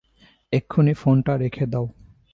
এক্ষুণি ফোনটা রেখে দাও।